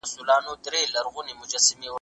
د کندهار د نیولو هڅې تل له ماتې سره مخ شوې دي.